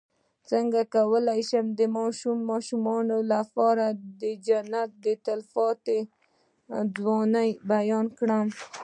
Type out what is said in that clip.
څنګه کولی شم د ماشومانو لپاره د جنت د تل پاتې ځوانۍ بیان کړم